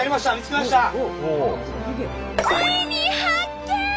ついに発見！